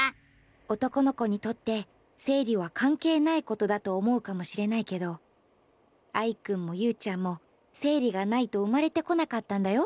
男の子にとって生理はかんけいないことだと思うかもしれないけどアイくんもユウちゃんも生理がないと生まれてこなかったんだよ。